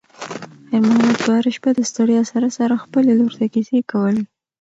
خیر محمد به هره شپه د ستړیا سره سره خپلې لور ته کیسې کولې.